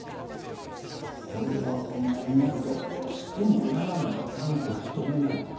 これはお前がどうしてもやらなあかんおつとめなんじゃ。